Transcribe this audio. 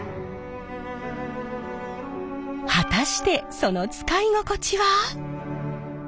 果たしてその使い心地は？